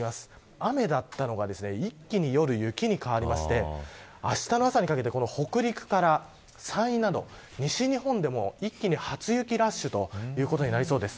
雨だったのが一気に雪に変わりましてあしたの朝にかけて北陸から山陰など西日本でも、一気に初雪ラッシュということになりそうです。